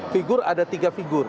figur ada tiga figur